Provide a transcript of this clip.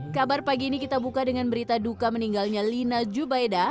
kabar pagi ini kita buka dengan berita duka meninggalnya lina jubaida